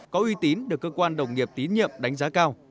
có uy tín được cơ quan đồng nghiệp tín nhiệm đánh giá cao